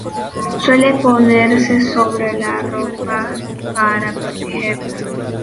Suele ponerse sobre la ropa para protegerla.